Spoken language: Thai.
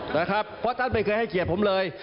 นะครับเพราะท่านไม่เคยให้เกียรติผมเลย